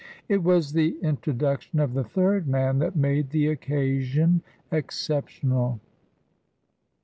It was the introduc tion of the third man that made the occasion exceptional.